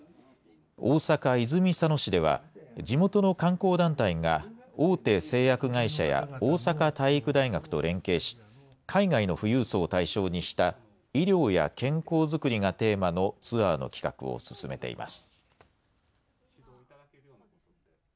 大阪・泉佐野市では、地元の観光団体が、大手製薬会社や大阪体育大学と連携し、海外の富裕層を対象にした医療や健康作りがテーマのツアーの企画を進めています。